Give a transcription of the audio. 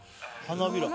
花びら？